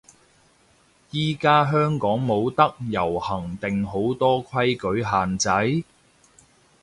依家香港冇得遊行定好多規矩限制？